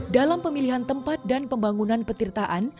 dalam pemilihan tempat dan pembangunan petirtaan